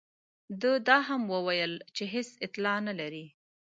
ده دا هم وویل چې هېڅ اطلاع نه لري.